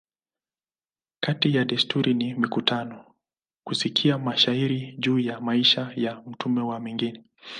Kati ya desturi ni mikutano, kusikia mashairi juu ya maisha ya mtume a mengine.